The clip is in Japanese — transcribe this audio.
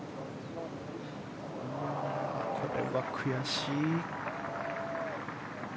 これは悔しい。